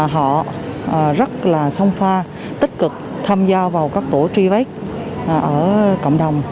họ rất là song pha tích cực tham gia vào các tổ tri vết ở cộng đồng